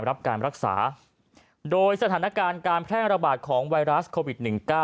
รับการรักษาโดยสถานการณ์การแพร่ระบาดของไวรัสโควิด๑๙